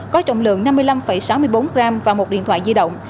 có trọng lượng năm mươi năm sáu mươi bốn g và một điện thoại di động